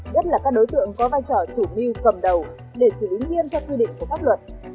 nhất là các đối tượng có vai trò chủ mưu cầm đầu để xử lý nghiêm theo quy định của pháp luật